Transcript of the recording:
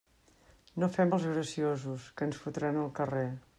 No fem els graciosos, que ens fotran al carrer.